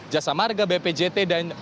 jasa marga bpjt dan